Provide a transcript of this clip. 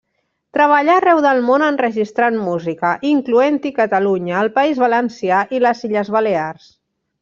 Treballà arreu del món enregistrant música, incloent-hi Catalunya, el País Valencià i les Illes Balears.